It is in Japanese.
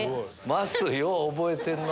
まっすーよう覚えてんな。